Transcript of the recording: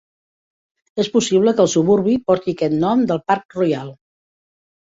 És possible que el suburbi porti aquest nom pel parc Royal.